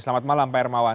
selamat malam pak ermawan